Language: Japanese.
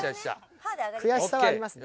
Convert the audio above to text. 悔しさはありますね。